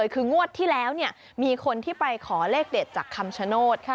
คืองวดที่แล้วมีคนที่ไปขอเลขเด็ดจากคำชโนธ